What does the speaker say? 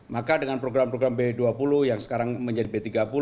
maka dengan program program b dua puluh yang sekarang menjadi b tiga puluh